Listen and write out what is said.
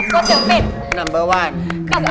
กับตัวเตือกเฟด